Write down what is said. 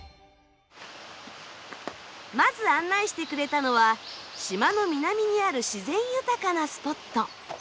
まず案内してくれたのは島の南にある自然豊かなスポット。